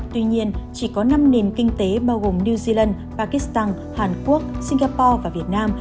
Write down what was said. tuy nhiên chỉ có năm nền kinh tế bao gồm new zealand pakistan hàn quốc singapore và việt nam